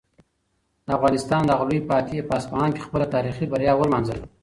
د افغانستان دغه لوی فاتح په اصفهان کې خپله تاریخي بریا ولمانځله.